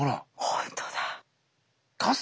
本当だ！